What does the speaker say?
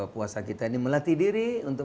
puasa kita ini melatih diri untuk